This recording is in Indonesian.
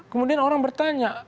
kemudian orang bertanya